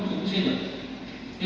thì vùng đất này